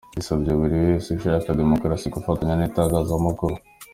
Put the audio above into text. Yasabye buri wese ushaka Demokarasi gufatanya n’itangazamakuru.